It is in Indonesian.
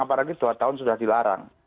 apalagi dua tahun sudah dilarang